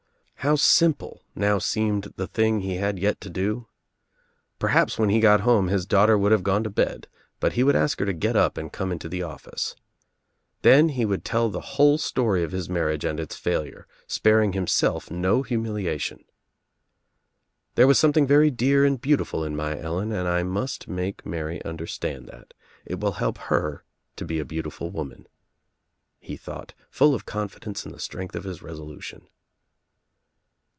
How simple now seemed the thing he had yet to do. Perhaps when he got home his daughter would have gone to bed but he would ask her to get up and come into the office. Then he would tell the whole story of his marriage and its failure spar ing himself no humiliation. "There was something very dear and beautiful in my Ellen and I must make Mary understand that. It will help her to be a beautiful woman," he thought, full of confidence in the strength of his resolution.